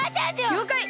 りょうかい！